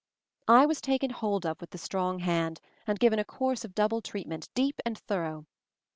I was taken hold of with the strong hand, and given a course of double treatment, deep and thorough.